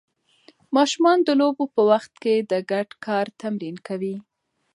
ماشومان د لوبو په وخت کې د ګډ کار تمرین کوي.